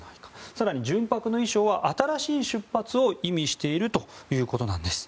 更に純白の衣装は新しい出発を意味しているということです。